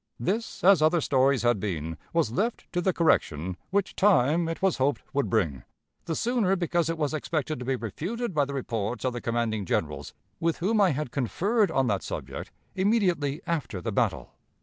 This, as other stories had been, was left to the correction which time it was hoped would bring, the sooner because it was expected to be refuted by the reports of the commanding generals with whom I had conferred on that subject immediately after the battle.